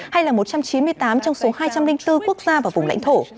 hay là một trăm chín mươi tám trong số hai trăm linh bốn quốc gia và vùng lãnh thổ